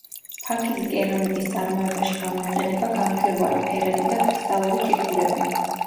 ფაქიზი კერამიკის წარმოებაში გამოიყენება გამჭვირვალე, ფერადი და კრისტალური ჭიქურები.